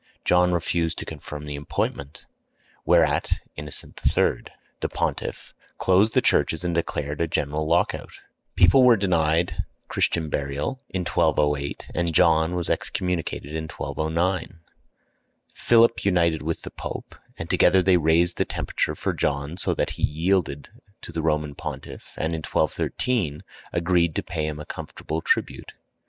John refused to confirm the appointment, whereat Innocent III., the pontiff, closed the churches and declared a general lock out. People were denied Christian burial in 1208, and John was excommunicated in 1209. Philip united with the Pope, and together they raised the temperature for John so that he yielded to the Roman pontiff, and in 1213 agreed to pay him a comfortable tribute.